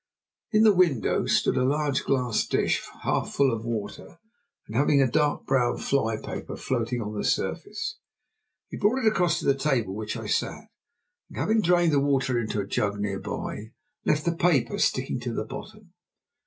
In the window stood a large glass dish, half full of water, and having a dark brown fly paper floating on the surface. He brought it across to the table at which I sat, and having drained the water into a jug near by, left the paper sticking to the bottom.